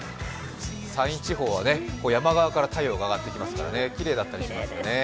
山陰地方は山側から太陽が上がってきますからきれいだったりしますよね。